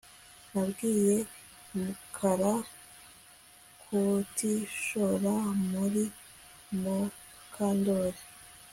Nabwiye Mukara kutishora muri Mukandoli